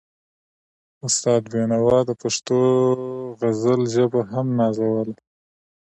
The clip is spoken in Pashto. استاد بينوا د پښتو د غزل ژبه هم نازوله.